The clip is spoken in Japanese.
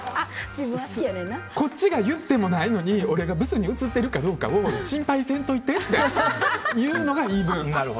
こっちが言ってもないのに俺がブスに映っているかどうかを心配せんといてっていうのが言い分。